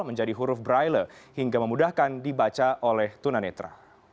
menjadi huruf braille hingga memudahkan dibaca oleh tunanetra